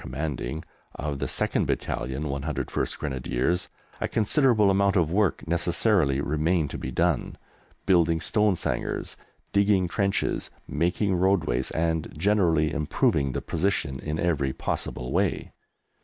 C. of the 2/101 Grenadiers, a considerable amount of work necessarily remained to be done, building stone sangars, digging trenches, making roadways, and generally improving the position in every possible way.